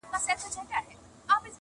هره ورځ یې وي مرگی زموږ له زوره-